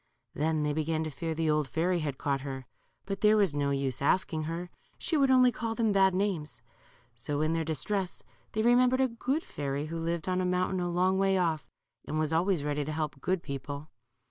Then they began to fear the old fairy had caught her, but there was no use asking her. She would only call them bad names. So in their distress they remembered a good fairy who lived on a mountain a long way off, and was always ready to help good people.